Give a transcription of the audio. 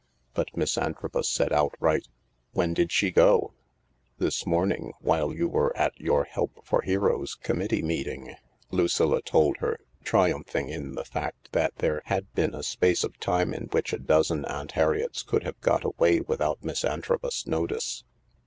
But Miss Antrobus said outright :" When did she go ?"" This morning, while you were at your Help for Heroes Committee meeting," Lucilla told her, triumphing in the fact that there had been a space of time in which a dozen Aunt Harriets could have got away without Miss Antrobus's notice.